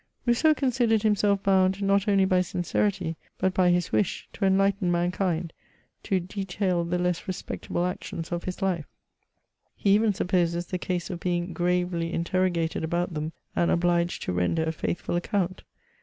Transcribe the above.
Rousseau considered himself bound, not only by sincerity, but by his wish, to enlighten mankind, to detail the less respect able actions of his life ; he even supposes the case of being gravely interrogated about them, and obliged to render a faithful account.